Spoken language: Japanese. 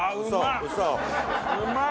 うまい！